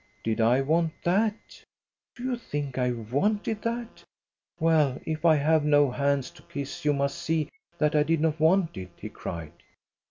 "Did I want that? Do you think I wanted that? Well, if I have no hands to kiss, you must see that I did not want it," he cried.